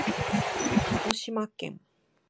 かごしまけん